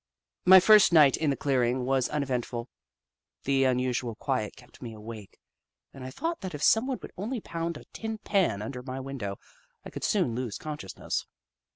My first night in the clearing was unevent ful. The unusual quiet kept me awake, and I thought that if someone would only pound a tin pan under my window, I could soon lose consciousness.